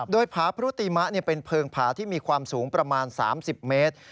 โดยผาพรุติมะเป็นเพลิงผาที่มีความสูงประมาณ๓๐เมตร